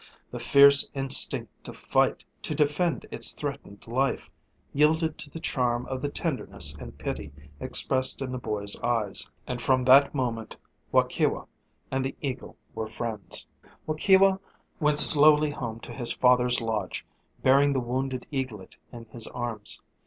The fierce instinct to fight, to defend its threatened life, yielded to the charm of the tenderness and pity expressed in the boy's eyes; and from that moment Waukewa and the eagle were friends. Waukewa went slowly home to his father's lodge, bearing the wounded eaglet in his arms.